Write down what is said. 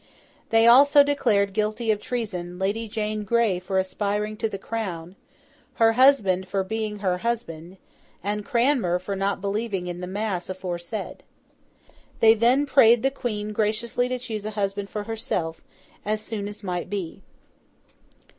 They also declared guilty of treason, Lady Jane Grey for aspiring to the Crown; her husband, for being her husband; and Cranmer, for not believing in the mass aforesaid. They then prayed the Queen graciously to choose a husband for herself, as soon as might be.